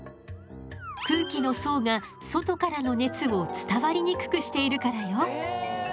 空気の層が外からの熱を伝わりにくくしているからよ。